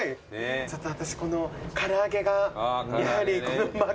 ちょっと私この唐揚げがやはりこの真っ黒の。